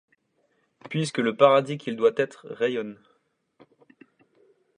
Puisque le paradis qu’il doit être-rayonne